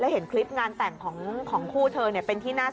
และเห็นคลิปงานแต่งของคู่เธอเนี่ย